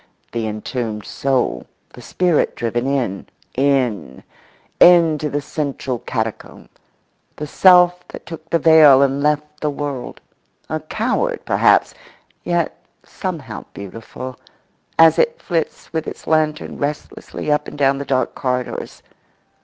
—the entombed soul, the spirit driven in, in, in to the central catacomb; the self that took the veil and left the world—a coward perhaps, yet somehow beautiful, as it flits with its lantern restlessly up and down the dark corridors.